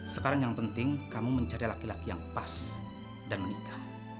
sekarang yang penting kamu mencari laki laki yang pas dan menikah